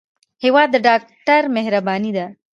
هېواد د ډاکټر مهرباني ده.